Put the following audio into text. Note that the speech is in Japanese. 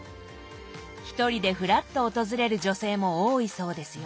１人でふらっと訪れる女性も多いそうですよ。